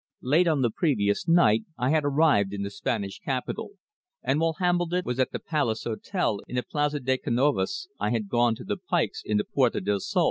Late on the previous night I had arrived in the Spanish capital, and while Hambledon was at the Palace Hotel in the Plaza de Canovas I had gone to the Paix in the Puerta del Sol.